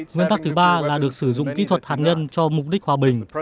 nguyên tắc thứ ba là được sử dụng kỹ thuật hạt nhân cho mục đích hòa bình